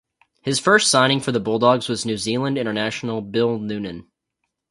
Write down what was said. His first signing for the Bulldogs was New Zealand international Bill Noonan.